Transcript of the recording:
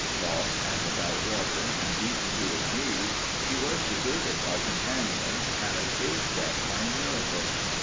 Lost and without water and beaten to his knees, he was deserted by companions and escaped death by a miracle.